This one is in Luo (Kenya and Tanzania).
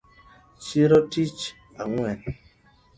Chiro tich ang’wen